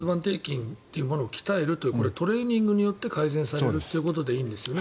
これもだから骨盤底筋というものを鍛えるこれ、トレーニングによって改善されるということでいいんですよね。